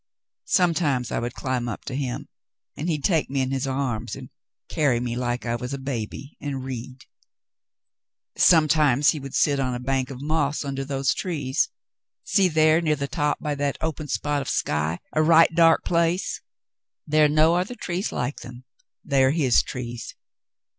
Sometimes I would climb up to him, and he'd take me in his arms and carry me like I was a baby, and read. Sometimes he would sit on a bank of moss under those trees — see near the top by that open spot of sky a right dark place ? There are no other trees like them. They are his trees.